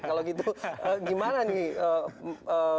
kalau gitu gimana nih